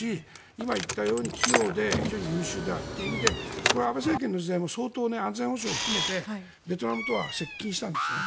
今言ったように、器用で非常に優秀であるという意味で安倍政権の時代も相当、安全保障含めてベトナムとは接近したんですね。